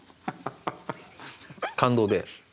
感動で。